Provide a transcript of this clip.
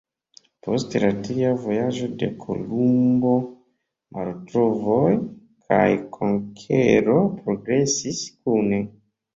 Post la tria vojaĝo de Kolumbo, malkovroj kaj konkero progresis kune.